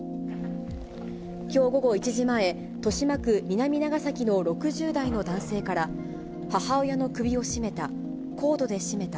きょう午後１時前、豊島区南長崎の６０代の男性から、母親の首を絞めた、コードで絞めた。